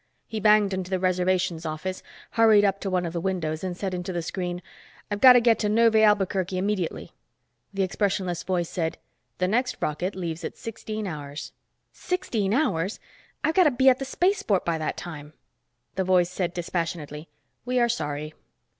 He banged into the reservations office, hurried up to one of the windows and said into the screen, "I've got to get to Neuve Albuquerque immediately." The expressionless voice said, "The next rocket leaves at sixteen hours." "Sixteen hours! I've got to be at the spaceport by that time!" The voice said dispassionately, "We are sorry."